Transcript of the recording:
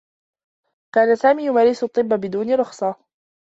كان سامي يمارس الطّبّ بدون رخصة.